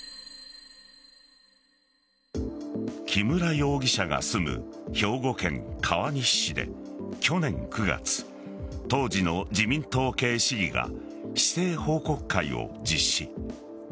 木村容疑者が住む兵庫県川西市で去年９月当時の自民党系市議が市政報告会を実施。